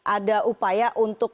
ada upaya untuk